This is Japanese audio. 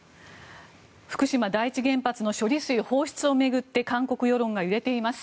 福島第一原発の処理水放出を巡って韓国世論が揺れています。